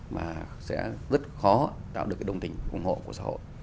mà sẽ rất khó tạo được đồng tình ủng hộ của xã hội